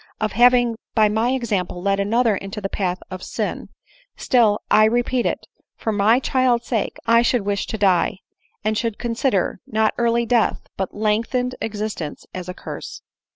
of having by my example led another into the path of sin — still, 1 repeat it, for my child's sake, I should wish to die, and should consider, not early death, but lengthened existence, as a curse."